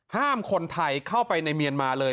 ห้ามคนไทยเข้าไปในเมียนมาเลย